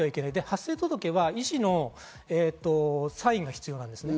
発生届は医師のサインが必要です。